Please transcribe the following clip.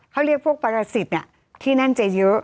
เขาเรียกพวกปรสิทธิ์ที่นั่นจะเยอะ